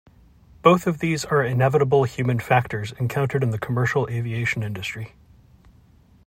Both of these are inevitable human factors encountered in the commercial aviation industry.